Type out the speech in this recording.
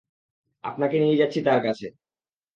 আপনাকে নিয়ে যাচ্ছি তার কাছে।